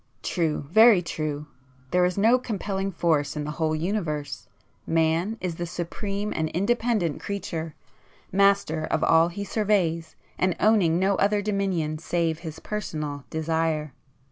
"True! very true! There is no compelling force in the whole Universe,—Man is the supreme and independent creature,—master of all he surveys and owning no other dominion save his personal desire.